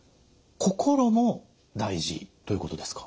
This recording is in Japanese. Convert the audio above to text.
心も大事ということですか。